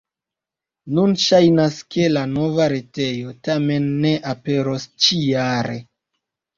Nun ŝajnas, ke la nova retejo tamen ne aperos ĉi-jare.